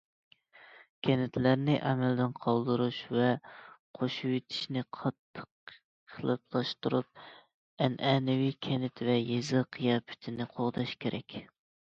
كەنتلەرنى ئەمەلدىن قالدۇرۇش ۋە قوشۇۋېتىشنى قاتتىق قېلىپلاشتۇرۇپ، ئەنئەنىۋى كەنت ۋە يېزا قىياپىتىنى قوغداش كېرەك.